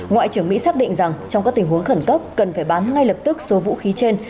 ngoại trưởng mỹ xác định rằng trong các tình huống khẩn cấp cần phải bán ngay lập tức số vũ khí trên